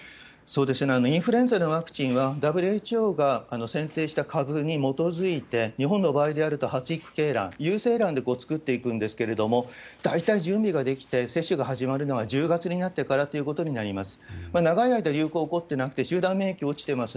インフルエンザのワクチンは、ＷＨＯが選定した株に基づいて、日本の場合であると、発育鶏卵、優性卵で作っていくんですけれども、大体準備ができて接種が始まるのは１０月になってからということになります。